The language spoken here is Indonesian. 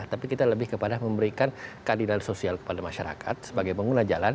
tapi kita lebih kepada memberikan keadilan sosial kepada masyarakat sebagai pengguna jalan